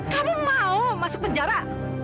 kamu mau masuk penjara